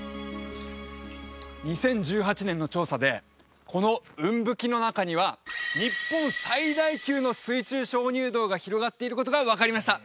２０１８年の調査でこのウンブキの中には日本最大級の水中鍾乳洞が広がっていることが分かりました